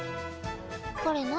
これ何？